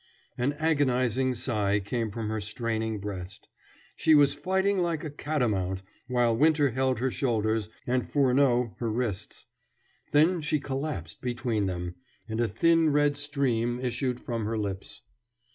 An agonizing sigh came from her straining breast. She was fighting like a catamount, while Winter held her shoulders and Furneaux her wrists; then she collapsed between them, and a thin red stream issued from her lips.